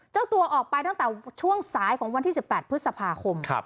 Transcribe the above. เจ้าตัวออกไปตั้งแต่ช่วงสายของวันที่๑๘พฤษภาคม